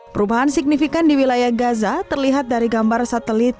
perubahan signifikan di wilayah gaza terlihat dari gambar satelit